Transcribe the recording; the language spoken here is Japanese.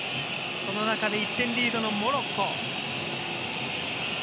その中で１点リードのモロッコ。